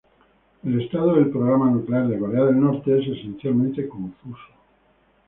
El estado del programa nuclear de Corea del Norte es esencialmente confuso.